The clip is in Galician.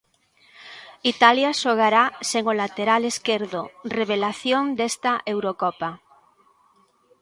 Italia xogará sen o lateral esquerdo revelación desta Eurocopa.